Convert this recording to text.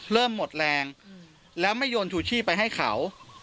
เริ่มหมดแรงแล้วไม่โยนชูชีพไปให้เขา